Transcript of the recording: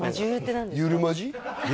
ゆるマジ？